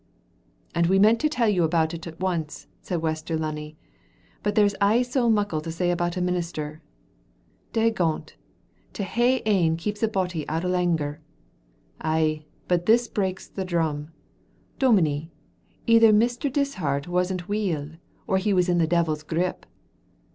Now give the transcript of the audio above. "And we meant to tell you about it at once," said Waster Lunny; "but there's aye so muckle to say about a minister. Dagont, to hae ane keeps a body out o' languor. Aye, but this breaks the drum. Dominie, either Mr. Dishart wasna weel or he was in the devil's grip."